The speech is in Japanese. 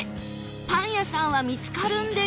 パン屋さんは見つかるんでしょうか？